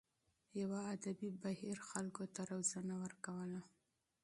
یوه ادبي بهیر خلکو ته روزنه ورکوله.